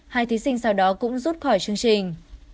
hai thí sinh sau đó cũng rút khỏi chương trình